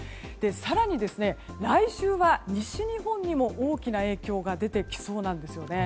更に、来週は西日本にも大きな影響が出てきそうなんです。